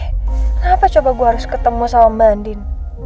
kenapa coba gue harus ketemu sama mbak andin